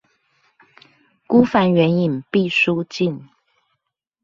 孤帆遠影畢書盡